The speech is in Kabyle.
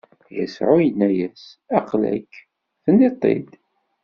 Yasuɛ inna-as: Aql-ak, tenniḍ-t-id!